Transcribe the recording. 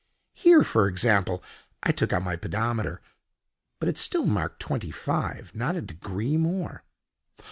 Here for example—" I took out my pedometer, but it still marked twenty five, not a degree more.